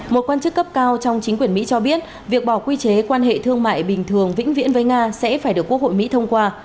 một quan chức cấp cao trong chính quyền mỹ cho biết việc bỏ quy chế quan hệ thương mại bình thường vĩnh viễn với nga sẽ phải được quốc hội mỹ thông qua